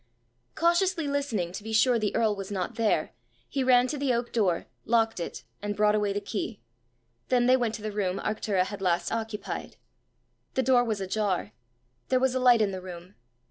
Cautiously listening to be sure the earl was not there, he ran to the oak door, locked it, and brought away the key. Then they went to the room Arctura had last occupied. The door was ajar; there was a light in the room.